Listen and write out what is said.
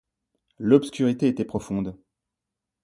L’obscurité était profonde.